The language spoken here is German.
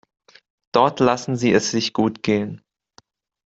Dort lassen sie es sich gut gehen.